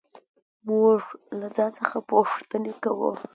موږ له ځان څخه پوښتنې کوو.